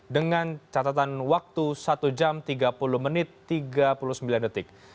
dengan catatan waktu satu jam tiga puluh menit tiga puluh sembilan detik